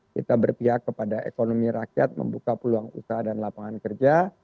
kita berpihak kepada ekonomi rakyat membuka peluang usaha dan lapangan kerja